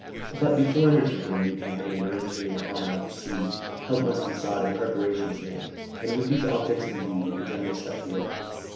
But before undertaking a new campaign or entering upon another siege, help must be sought and preparations made, and with these objects in view the general set to work.